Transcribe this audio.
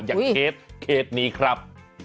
อย่างเคสเคสนี้ครับ